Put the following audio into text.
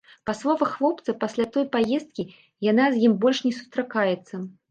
Па словах хлопца, пасля той паездкі яна з ім больш не сустракаецца.